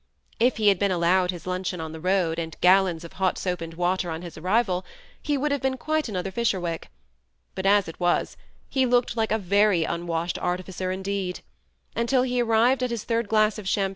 If he had been allowed his luncheon on the road, and gallons of hot soap and water on his arrival, he would have been quite another Fisherwick ; but, as it was, he looked like " a very unwashed artificer " in deed ; and till he arrived at his third glass of cham 162 THE SEBD ATTAGHED COUPLE.